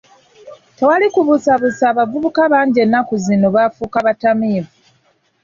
Tewali kubuusabuusa abavubuka bangi ennaku zino baafuuka batamiivu.